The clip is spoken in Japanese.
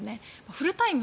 フルタイム